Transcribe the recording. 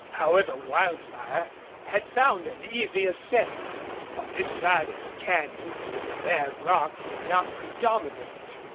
However, Wildfire had found an easy ascent. On this side of the canyon the bare rock did not predominate.